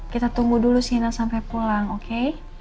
kita tunggu dulu sienna sampe pulang oke